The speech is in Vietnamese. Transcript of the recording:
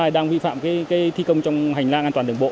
đang vi phạm thi công trong hành lang an toàn đường bộ